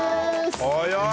早い。